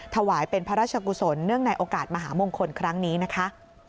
ถวายเป็นพระราชกุศลเนื่องในโอกาสมหามงคลครั้งนี้นะคะ